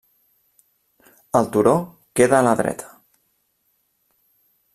El turó queda a la dreta.